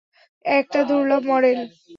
একটা দুর্লভ মডেল।